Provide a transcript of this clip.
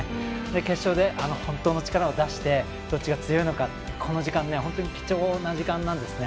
決勝で本当の力を出してどっちが強いのかこの時間本当に貴重な時間なんですね。